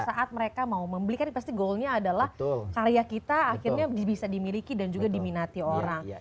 saat mereka mau membeli kan pasti goalnya adalah karya kita akhirnya bisa dimiliki dan juga diminati orang